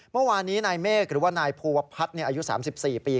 เมื่อวานนี้นายเมฆหรือว่านายภูวพัฒน์อายุ๓๔ปี